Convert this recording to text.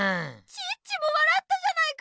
チッチもわらったじゃないか！